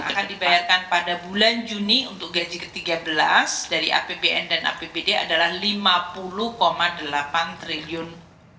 akan dibayarkan pada bulan juni untuk gaji ke tiga belas dari apbn dan apbd adalah rp lima puluh delapan triliun